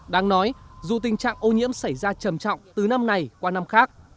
đáng nói dù tình trạng ô nhiễm xảy ra trầm trọng từ năm này qua năm khác